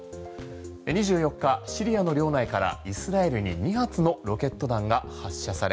２４日にシリアの領内からイスラエルに２発のロケット弾が発射され